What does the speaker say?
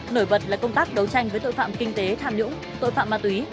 nổi bật là công tác đấu tranh với tội phạm kinh tế tham nhũng tội phạm ma túy